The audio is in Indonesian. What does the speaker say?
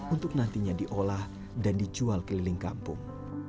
untuk nantinya diolah dan dijual keliling kampung